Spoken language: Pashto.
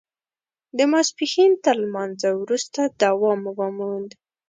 د ماسپښین تر لمانځه وروسته دوام وموند.